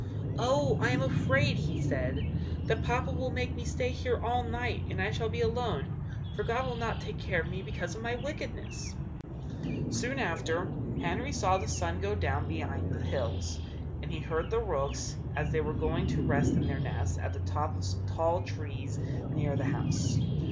"Oh! I am afraid," he said, "that papa will make me stay here all night! and I shall be alone, for God will not take care of me because of my wickedness." Soon afterwards Henry saw the sun go down behind the hills, and he heard the rooks as they were going to rest in their nests at the top of some tall trees near the house.